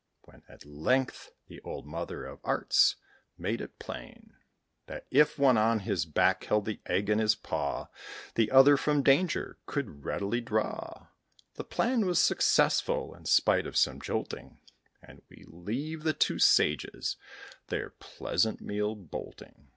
When at length the old mother of arts made it plain That, if one on his back held the Egg in his paw, The other from danger could readily draw. The plan was successful, in spite of some jolting; And we leave the two sages their pleasant meal bolting.